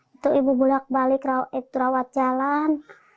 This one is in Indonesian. itu ibu bulat balik rawat jalan